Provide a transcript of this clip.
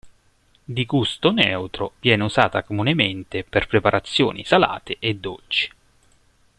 Di gusto neutro viene usata comunemente per preparazioni salate e dolci.